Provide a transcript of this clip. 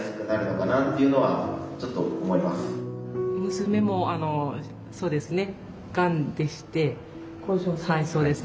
娘もそうですね